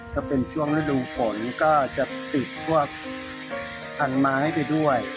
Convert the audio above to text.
ถ้าเป็นช่วงฤดูฝนก็จะติดพวกพันไม้ไปด้วย